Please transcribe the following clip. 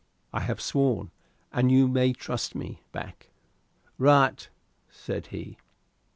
"I have sworn, and you may trust me, Back." "Right," said he.